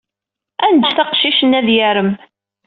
Ad neǧǧet aqcic-nni ad yarem.